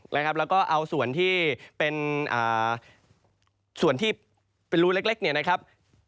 แล้วก็เอาส่วนที่เป็นรูเล็กเนี่ยนะครับ